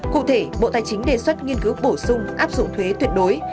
cụ thể bộ tài chính đề xuất nghiên cứu bổ sung áp dụng thuế tuyệt đối